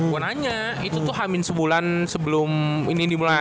gue nanya itu tuh hamin sebulan sebelum ini dimulai